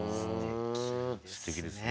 すてきですね。